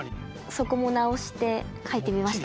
そこも直して描いてみました。